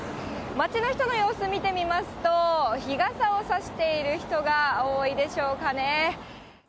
街の人の様子、見てみますと日傘を差している人が多いでしょうかね。